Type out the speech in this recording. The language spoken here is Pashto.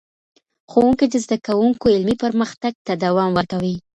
ښوونکی د زدهکوونکو علمي پرمختګ ته دوام ورکوي.